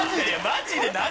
マジで何？